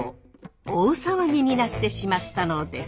大騒ぎになってしまったのです。